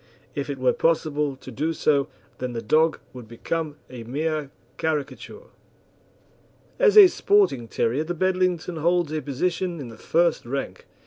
If it were possible to do so, then the dog would become a mere caricature. As a sporting terrier the Bedlington holds a position in the first rank.